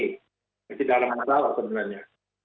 mungkin dalam masalah sebenarnya